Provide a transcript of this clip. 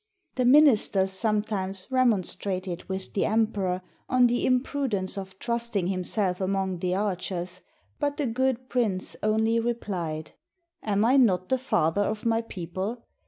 The min isters sometimes remonstrated with the emperor on the imprudence of trusting himself among the archers, but the good prince only rephed, "Am I not the father of my people?